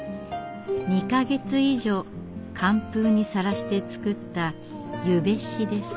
２か月以上寒風にさらして作った「ゆべし」です。